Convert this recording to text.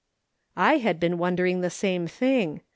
I had been wonderin*:' the same thing.